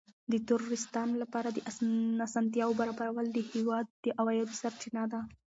د توریستانو لپاره د اسانتیاوو برابرول د هېواد د عوایدو سرچینه ده.